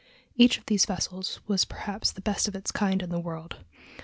Each of these vessels was perhaps the best of its kind in the world.